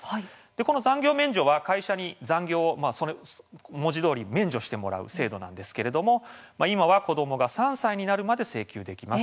この残業免除は、会社に残業を文字どおり免除してもらう制度なんですけれども今は子どもが３歳になるまで請求できます。